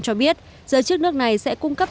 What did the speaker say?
cho biết giới chức nước này sẽ cung cấp